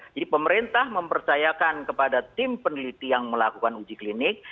jadi pemerintah mempercayakan kepada tim peneliti yang melakukan uji klinik